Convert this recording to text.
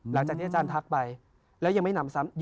หลังจากที่อาจารย์ทักไปแล้วยังไม่นำซ้ำ